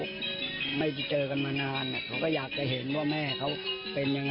เดี๋ยวเค้าเข้ามาเอง